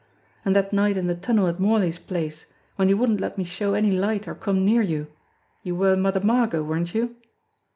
And that night in the tunnel at Morley's place, when you wouldn't let me show any light or come near you, you were Mother Margot, weren't you